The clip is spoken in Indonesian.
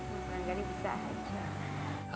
sekarang kali bisa aja